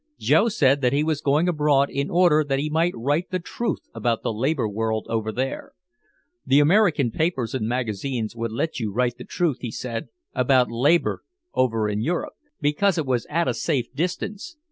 Joe said that he was going abroad in order that he might write the truth about the labor world over there. The American papers and magazines would let you write the truth, he said, about labor over in Europe, because it was at a safe distance.